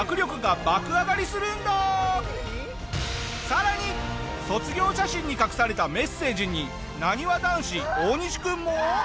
さらに卒業写真に隠されたメッセージになにわ男子大西君も。